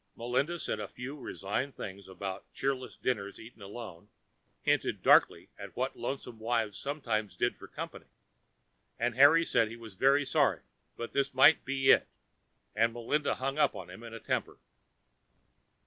Melinda said a few resigned things about cheerless dinners eaten alone, hinted darkly what lonesome wives sometimes did for company, and Harry said he was very sorry, but this might be it, and Melinda hung up on him in a temper.